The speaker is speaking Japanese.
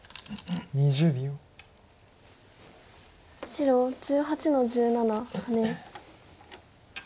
白１８の十七ハネ。